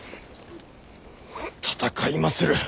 戦いまする。